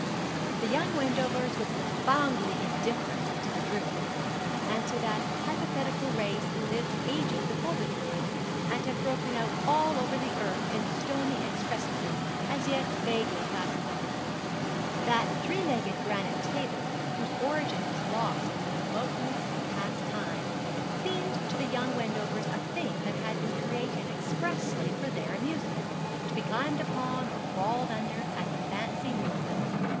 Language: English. The young Wendovers were profoundly indifferent to the Druids, and to that hypothetical race who lived ages before the Druids, and have broken out all over the earth in stony excrescences, as yet vaguely classified. That three legged granite table, whose origin was lost in the remoteness of past time, seemed to the young Wendovers a thing that had been created expressly for their amusement, to be climbed upon or crawled under as the fancy moved them.